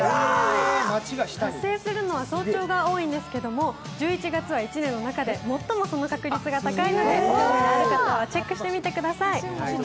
発生するのは早朝が多いんですけれども１１月は１年の中で最もその確率が高いので興味のある方はチェックしてみてください。